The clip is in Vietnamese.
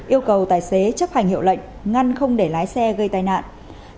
yêu cầu tài xế chấp hành hiệu lệnh ngăn không để lái xe gây tai nạn